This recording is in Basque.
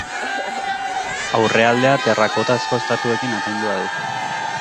Aurrealdea terrakotazko estatuekin apaindua du.